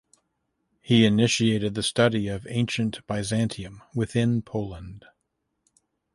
He initiated the study of ancient Byzantium within Poland.